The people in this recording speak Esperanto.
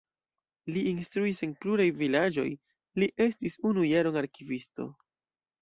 Li instruis en pluraj vilaĝoj, li estis unu jaron arkivisto.